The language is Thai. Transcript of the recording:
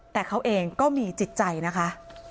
แต่เขาเองก็มีจิตใจนะคะ